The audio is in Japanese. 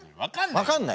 分かんない？